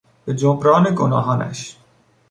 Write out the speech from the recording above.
به جبران گناهانش